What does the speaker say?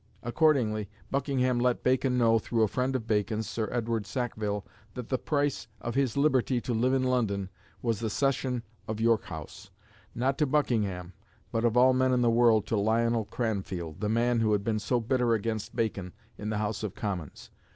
Accordingly, Buckingham let Bacon know through a friend of Bacon's, Sir Edward Sackville, that the price of his liberty to live in London was the cession of York House not to Buckingham, but of all men in the world, to Lionel Cranfield, the man who had been so bitter against Bacon in the House of Commons.